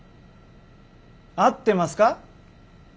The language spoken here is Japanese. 合ってますか？